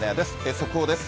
速報です。